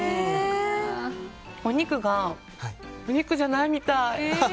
お肉がお肉じゃないみたい！